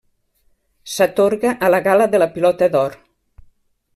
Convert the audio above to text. S'atorga a la gala de la Pilota d'or.